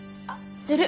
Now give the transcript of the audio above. する！